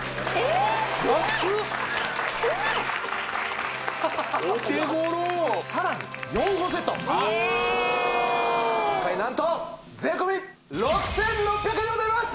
安っえっ安っお手頃さらに４本セットえっ何と税込６６００円でございます！